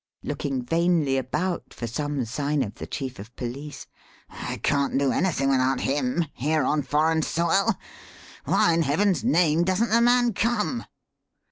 looking vainly about for some sign of the Chief of Police. "I can't do anything without him here, on foreign soil. Why in heaven's name doesn't the man come?"